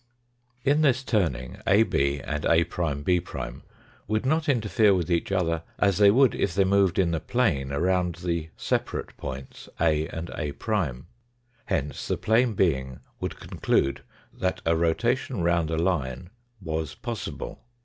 In this turning AB and A'B' would not interfere with each other, as they would if they moved in the plane around the separate points A and A'. Hence the plane being would conclude that a rotation round a line was possible.